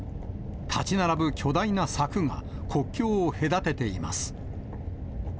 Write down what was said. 建ち並ぶ巨大な柵が、国境を隔てています。